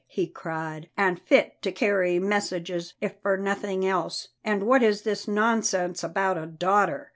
he cried, "and fit to carry messages if for nothing else. And what is this nonsense about a daughter?"